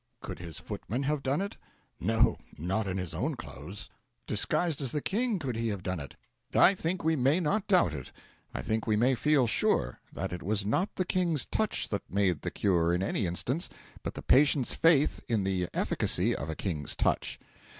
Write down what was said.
Could his footman have done it? No not in his own clothes. Disguised as the King, could he have done it? I think we may not doubt it. I think we may feel sure that it was not the King's touch that made the cure in any instance, but the patient's faith in the efficacy of a King's touch.